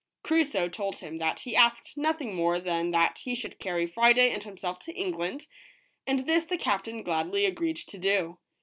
Crusoe told him that he asked nothing more than that he should carry Friday and himself to England, and this the captain gladly agreed to do.